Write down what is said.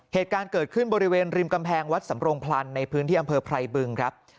เหตุการณ์เกิดขึ้นบริเวณริมกำแพงวัดสำรงพลันในพื้นที่อำเภอไพรบึงครับ